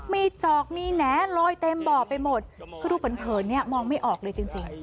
มีจอกมีแนะลอยเต็มบ่อไปหมดเพราะดูเผินเผินนี้มองไม่ออกเลยจริงจริง